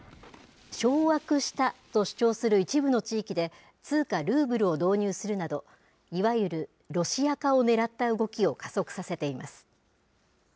掌握したと主張する一部の地域で、通貨ルーブルを導入するなど、いわゆるロシア化をねらった動きを加速させています。